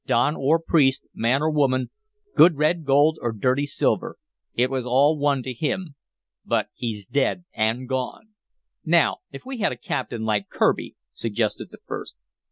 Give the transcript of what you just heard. Don or priest, man or woman, good red gold or dirty silver, it was all one to him. But he's dead and gone!" "Now, if we had a captain like Kirby," suggested the first.